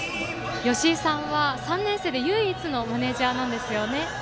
よしいさんは３年生で唯一のマネージャーなんですよね。